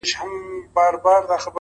• هسي رنګه چي له ژونده یې بېزار کړم,